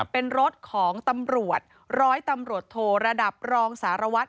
เป็นรถของตำรวจร้อยตำรวจโทระดับรองสารวัตร